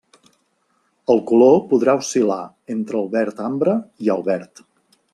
El color podrà oscil·lar entre el verd ambre i el verd.